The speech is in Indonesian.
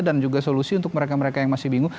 dan juga solusi untuk mereka mereka yang masih bingung